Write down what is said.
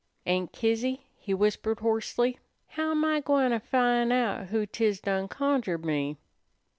"Aunt Kizzy," he whispered hoarsely, "how am I gwine to fin' out who 't is done conjured me?"